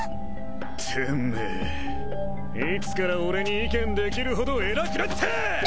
てめえいつから俺に意見できるほど偉くなったぁ！